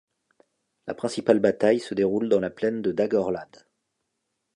La principale bataille se déroule dans la plaine de Dagorlad.